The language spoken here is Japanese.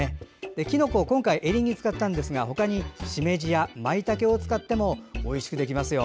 きのこ、今回エリンギを使ったんですが他にしめじやまいたけにしてもおいしくできますよ。